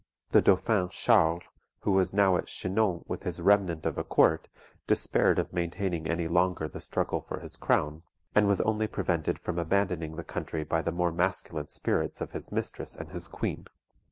The Dauphin Charles, who was now at Chinon with his remnant of a court, despaired of maintaining any longer the struggle for his crown; and was only prevented from abandoning the country by the more masculine spirits of his mistress and his queen.